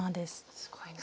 すごいな。